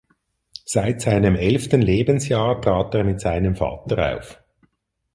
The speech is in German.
Seit seinem elften Lebensjahr trat er mit seinem Vater auf.